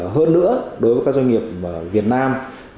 hơn nữa đối với các doanh nghiệp việt nam